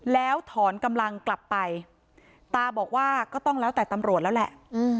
แล้วถอนกำลังกลับไปตาบอกว่าก็ต้องแล้วแต่ตำรวจแล้วแหละ